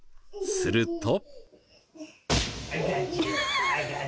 すると。